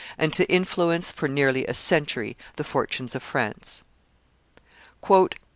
and to influence for nearly a century the fortunes of France.